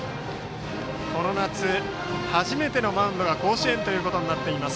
この夏、初めてのマウンドが甲子園となっています。